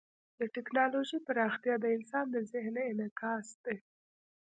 د ټیکنالوژۍ پراختیا د انسان د ذهن انعکاس دی.